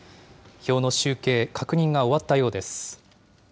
票の集計、確認が終わったようです。